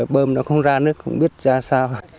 bơm nó không ra nước không biết ra sao